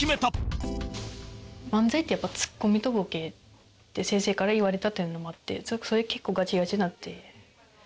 「漫才ってやっぱりツッコミとボケ」って先生から言われたっていうのもあってそれで結構ガチガチになって。